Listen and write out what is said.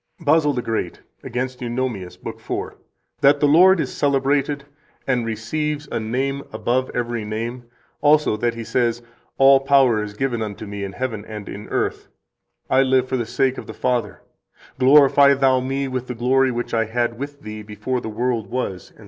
46 BASIL THE GREAT, Against Eunomius, lib. 4 (p. 769, ed. Paris): "That the Lord is celebrated, and receives a name above every name; also [that he says]: 'All power is given unto Me in heaven and in earth; I live for the sake of the Father; Glorify Thou Me with the glory which I had with Thee before the world was,' etc.